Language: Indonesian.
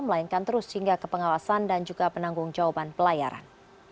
melainkan terus hingga ke pengawasan dan juga penanggung jawaban pelayaran